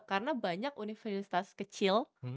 karena banyak universitas kecil